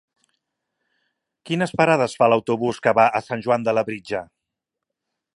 Quines parades fa l'autobús que va a Sant Joan de Labritja?